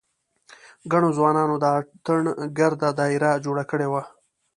ګڼو ځوانانو د اتڼ ګرده داېره جوړه کړې وه.